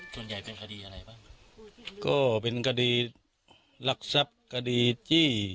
ส่วนใหญ่เป็นคดีอะไรบ้างก็เป็นคดีรักทรัพย์คดีจี้